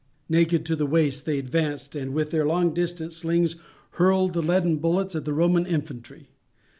Naked to the waist they advanced, and with their long distance slings hurled the leaden bullets at the Roman infantry.